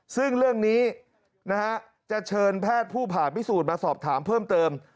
ซึ่งเรื่องนี้จะเชิญแพทย์ผู้ผ่าพิสูจน์มาสอบถามเพิ่มเติม